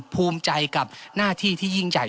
ภูมิใจกับหน้าที่ที่ยิ่งใหญ่